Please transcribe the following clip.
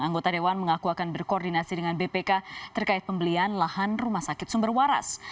anggota dewan mengaku akan berkoordinasi dengan bpk terkait pembelian lahan rumah sakit sumber waras